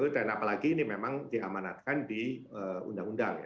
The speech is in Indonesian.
dan apalagi ini memang diamanatkan di undang undang